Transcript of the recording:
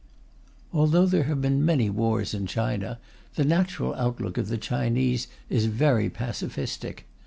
Although there have been many wars in China, the natural outlook of the Chinese is very pacifistic.